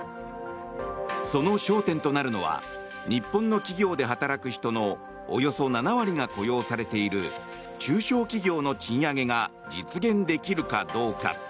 その焦点となるのは日本の企業で働く人のおよそ７割が雇用されている中小企業の賃上げが実現できるかどうか。